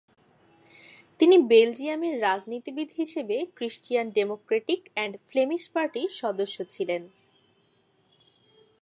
তিনি বেলজিয়ামের রাজনীতিবিদ হিসেবে ক্রিশ্চিয়ান ডেমোক্র্যাটিক এন্ড ফ্লেমিশ পার্টির সদস্য ছিলেন।